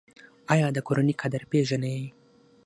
ایا د کورنۍ قدر پیژنئ؟